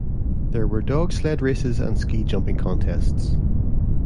There were dog sled races and ski jumping contests.